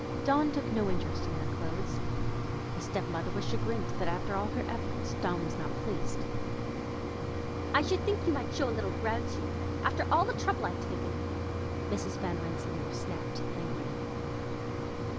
Dawn took no interest in her clothes. The step mother was chagrined that after all her efforts Dawn was not pleased. "I should think you might show a little gratitude, after all the trouble I've taken," Mrs. Van Rensselaer snapped angrily.